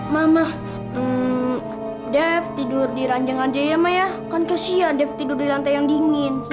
mama dev tidur di ranjang aja ya mak ya kan kesian deve tidur di lantai yang dingin